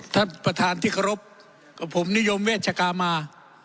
ท่านประธานที่เคารพกับผมนิยมเวชกามา